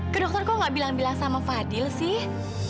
ke dokter kok gak bilang bilang sama fadil sih